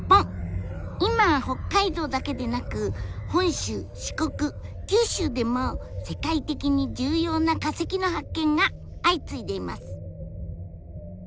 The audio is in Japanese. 今北海道だけでなく本州四国九州でも世界的に重要な化石の発見が相次いでいます。